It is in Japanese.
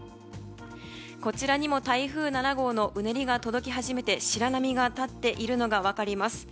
こちらにも台風７号のうねりが届き始めて白波が立っているのが分かります。